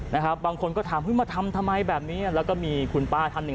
นะครับบางคนก็ถามเฮ้ยมาทำทำไมแบบนี้แล้วก็มีคุณป้าท่านหนึ่ง